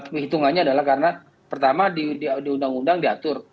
penghitungannya adalah karena pertama di undang undang diatur